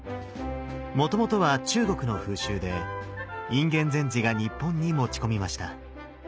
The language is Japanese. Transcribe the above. もともとは中国の風習で隠元禅師が日本に持ち込みました。